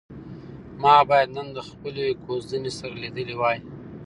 ما باید نن د خپلې کوژدنې سره لیدلي وای.